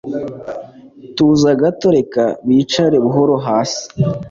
Tuza gato reka bicare buhoro hasi